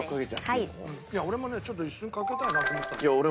いや俺もねちょっと一瞬かけたいなと思ったの。